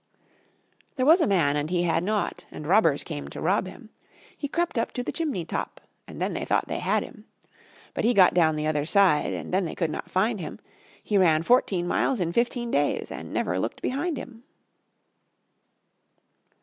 There was a man and he had naught, And robbers came to rob him; He crept up to the chimney top, And then they thought they had him. But he got down on the other side, And then they could not find him; He ran fourteen miles in fifteen days, And never looked behind him.